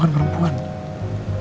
kok gak mau sih